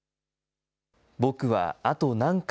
ぼくはあと何回、